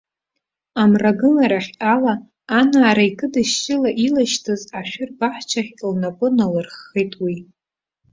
Амрагыларахь ала анаара икыдышьшьыла илашьҭыз ашәыр баҳчахь лнапы налырххеит уи.